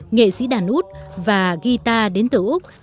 nghệ sĩ đàn út và guitar đến từ úc